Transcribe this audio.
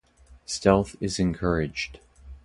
Stealth is encouraged.